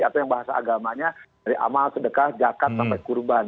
atau yang bahasa agamanya dari amal sedekah zakat sampai kurban